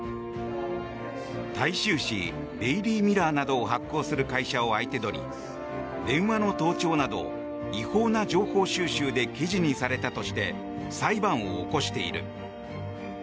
大衆紙デイリー・ミラーなどを発行する会社を相手取り電話の盗聴など違法な情報収集で記事にされたとして裁判を起こしている。